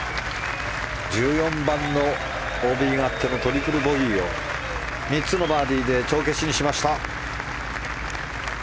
１４番のＯＢがあってのトリプルボギーを３つのバーディーで帳消しにしました。